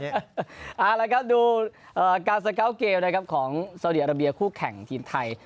เอาละครับดูการสเกาะเกมของสาวเดียรับรับเบียร์คู่แข่งทีมไทย